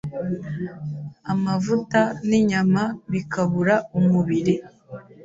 Amavuta n’inyama bikabura umubiri